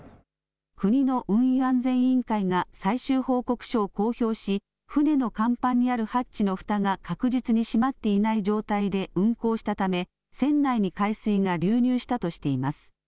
国の運輸安全委員会が最終報告書を公表し、船の甲板にあるハッチのふたが確実に閉まっていない状態で運航したため、船内に海水が流入したとしています。